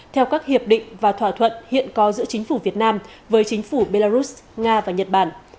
theo các hiệp định và thỏa thuận hiện có giữa chính phủ việt nam với chính phủ belarus nga và nhật bản